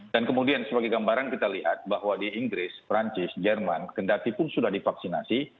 dan kemudian sebagai gambaran kita lihat bahwa di inggris perancis jerman kendati pun sudah divaksinasi